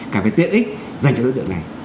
cả về tiện ích dành cho đối tượng này